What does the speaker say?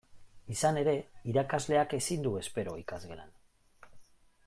Izan ere, irakasleak ezin du espero ikasgelan.